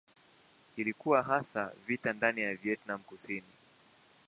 Ilikuwa hasa vita ndani ya Vietnam Kusini.